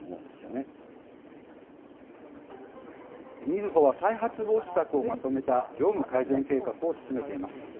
みずほは再発防止策をまとめた業務改善計画を進めています。